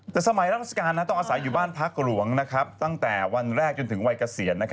แต่สมัยราชการต้องอาศัยอยู่บ้านพักหลวงตั้งแต่วันแรกจนถึงวัยเกษียณ